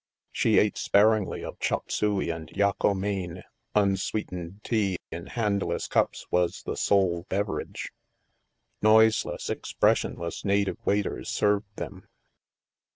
She ate sparingly of chop suey and yako main ; unsweetened tea in handleless cups was the sole beverage. Noise less, expressionless, native waiters served them.